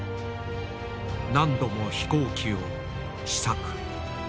何度も飛行機を試作。